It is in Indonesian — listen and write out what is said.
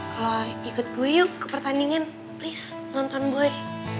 kalau ikut gue yuk ke pertandingan please nonton boy